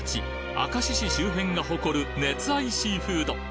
明石市周辺が誇る熱愛シーフード